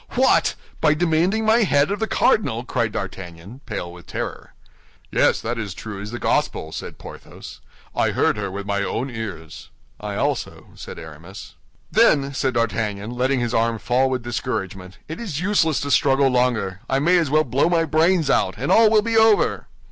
"What! by demanding my head of the cardinal?" cried D'Artagnan, pale with terror. "Yes, that is true as the Gospel," said Porthos; "I heard her with my own ears." "I also," said Aramis. "Then," said D'Artagnan, letting his arm fall with discouragement, "it is useless to struggle longer. I may as well blow my brains out, and all will be over."